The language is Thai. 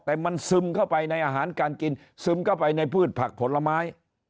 แต่มันซึมเข้าไปในอาหารการกินซึมเข้าไปในพืชผักผลไม้